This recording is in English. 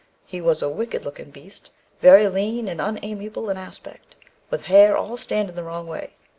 He was a wicked looking beast, very lean and unamiable in aspect, with hair all standing the wrong way.